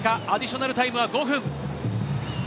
アディショナルタイムは５分。